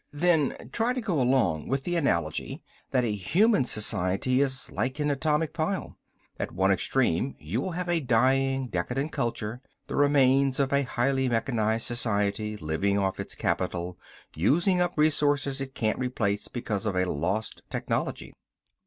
Then try to go along with the analogy that a human society is like an atomic pile. At one extreme you will have a dying, decadent culture the remains of a highly mechanized society living off its capital, using up resources it can't replace because of a lost technology.